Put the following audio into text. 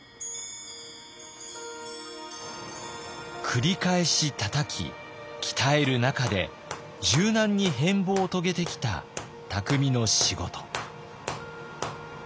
繰り返したたき鍛える中で柔軟に変貌を遂げてきた匠の仕事。